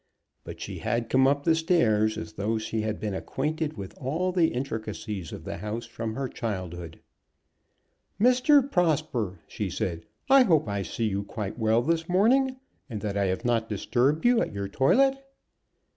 But she had come up the stairs as though she had been acquainted with all the intricacies of the house from her childhood. "Mr. Prosper," she said, "I hope I see you quite well this morning, and that I have not disturbed you at your toilet."